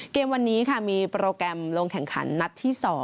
เกมวันนี้ค่ะมีโปรแกรมลงแข่งขันนัดที่๒